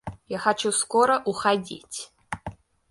Я хочу скоро уходить.